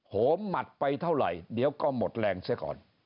โหมหมัดไปเท่าไหร่เดี๋ยวก็หมดแรงเสียก่อน